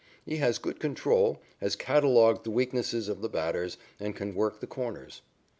He has good control, has catalogued the weaknesses of the batters, and can work the corners.